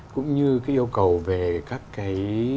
cũng như cái yêu cầu về các cái